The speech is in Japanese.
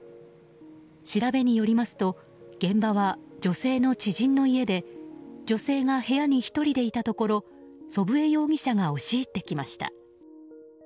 調べによりますと現場は女性の知人の家で女性が部屋に１人でいたところを祖父江容疑者が押し入ってきました。